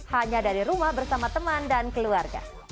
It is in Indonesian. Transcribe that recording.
hanya dari rumah bersama teman dan keluarga